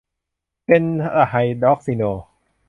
เพนตะไฮดรอกซิโน